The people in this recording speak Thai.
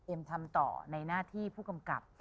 ทำต่อในหน้าที่ผู้กำกับ